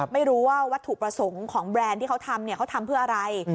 ไม่รู้ว่าวัตถุประสงค์ของแบรนด์ที่เขาทำเขาทำเพื่ออะไร